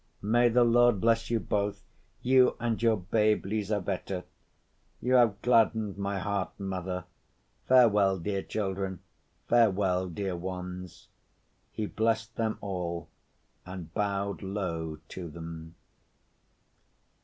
"May the Lord bless you both, you and your babe Lizaveta! You have gladdened my heart, mother. Farewell, dear children, farewell, dear ones." He blessed them all and bowed low to them.